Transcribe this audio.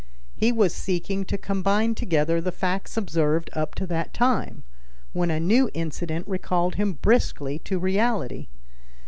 He was seeking to combine together the facts observed up to that time, when a new incident recalled him briskly to reality.